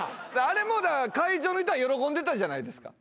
あれも会場の人は喜んでたじゃないですか。